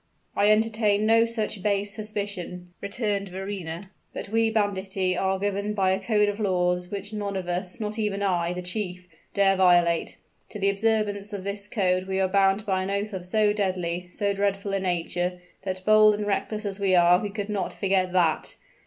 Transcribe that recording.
"I entertain no such base suspicion," returned Verrina. "But we banditti are governed by a code of laws which none of us not even I, the chief dare violate. To the observance of this code we are bound by an oath of so deadly so dreadful a nature, that bold and reckless as we are, we could not forget that.